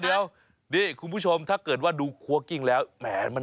เดี๋ยวนี่คุณผู้ชมถ้าเกิดว่าดูครัวกิ้งแล้วแหมมัน